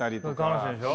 楽しいでしょ？